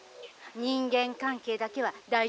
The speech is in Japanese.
人間関係だけは大事な」。